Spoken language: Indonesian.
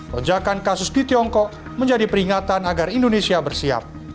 lonjakan kasus di tiongkok menjadi peringatan agar indonesia bersiap